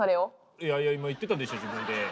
いやいや今言ってたでしょ自分で。